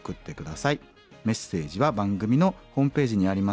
メッセージは番組のホームページにあります